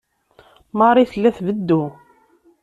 Marie tella tbeddu.